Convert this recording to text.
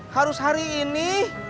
harus hari ini